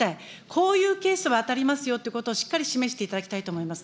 こういうケースは当たりますよということをしっかり示していただきたいと思います。